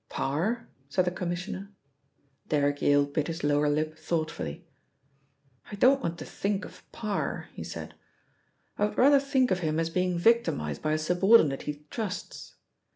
"Parr?" said the Commissioner. Derrick Yale bit his lower lip thoughtfully. "I don't want to think of Parr," he said. "I would rather think of him as being victimised by a subordinate he trusts.